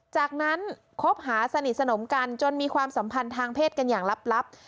จากนั้นคบหาสนิทสนมกันจนมีความสัมพันธ์ทางเพศกันอย่างลับ